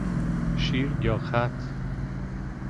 شیر یا خط؟